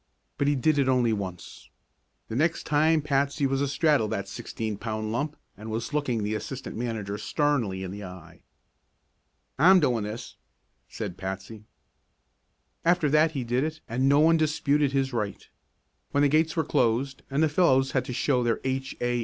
But he did it only once. The next time Patsy was astraddle of that sixteen pound lump and was looking the assistant manager sternly in the eye. "I'm doin' this," said Patsy. After that he did it and no one disputed his right. When the gates were closed and fellows had to show their H. A.